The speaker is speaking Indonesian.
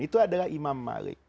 itu adalah imam malik